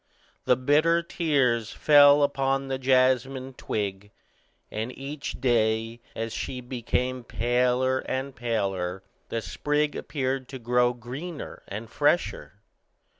The bitter tears fell upon the jasmine twig, and each day, as she became paler and paler, the sprig appeared to grow greener and fresher.